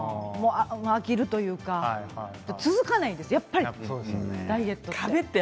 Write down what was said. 飽きるというか続かないんです、やっぱりダイエットって。